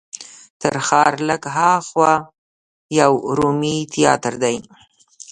تر ښار لږ هاخوا یو رومي تیاتر دی.